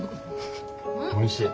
おいしい。